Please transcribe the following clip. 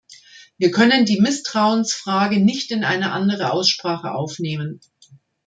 Wir können die Misstrauensfrage nicht in eine andere Aussprache aufnehmen.